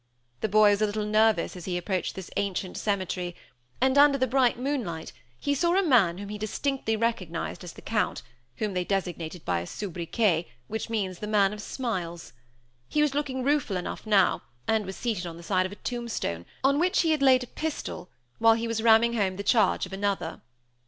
The boy was a little nervous as he approached this ancient cemetery; and, under the bright moonlight, he saw a man whom he distinctly recognized as the Count, whom they designated by a sobriquet which means 'the man of smiles.' He was looking rueful enough now, and was seated on the side of a tombstone, on which he had laid a pistol, while he was ramming home the charge of another.